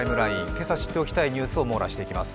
今朝知って起きたいニュースを網羅していきます。